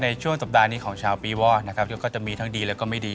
ในช่วงสัปดาห์นี้ของชาวปีวอดนะครับก็จะมีทั้งดีแล้วก็ไม่ดี